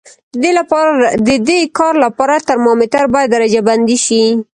د دې کار لپاره ترمامتر باید درجه بندي شي.